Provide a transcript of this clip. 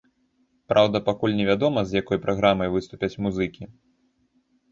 Праўда, пакуль не вядома, з якой праграмай выступяць музыкі.